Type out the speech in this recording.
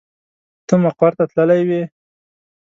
ته مقر تللی وې.